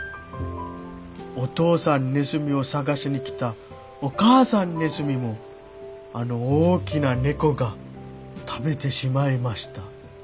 お父さんネズミを捜しに来たお母さんネズミもあの大きな猫が食べてしまいました」。